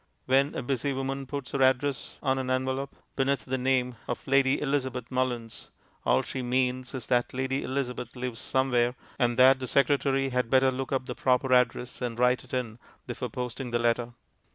When a busy woman puts our address on an envelope beneath the name of Lady Elizabeth Mullins, all she means is that Lady Elizabeth lives somewhere, and that the secretary had better look up the proper address and write it in before posting the letter.